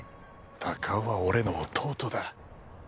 鷹男は俺の弟だ。